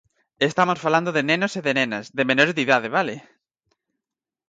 Estamos falando de nenos e de nenas, de menores de idade, ¿vale?